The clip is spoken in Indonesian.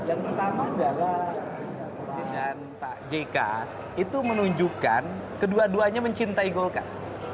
yang pertama adalah dengan pak jk itu menunjukkan kedua duanya mencintai golkar